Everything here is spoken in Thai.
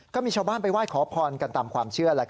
ก็มีชาวบ้านไปไหว้ขอพรกันตามความเชื่อ